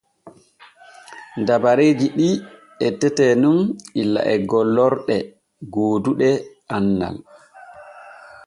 Dabareeji ɗi ettete nun illa e gollorɗe gooduɗe andal.